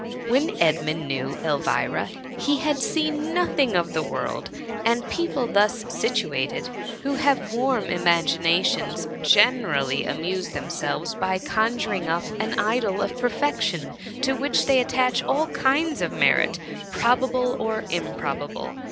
When Edmund knew Elvira, he had seen nothing of the world ; and people thus situated, who have warm imaginations, generally amuse themselves by conjuring up an idol of perfection to which they attach all kinds of merit, probable or im probable.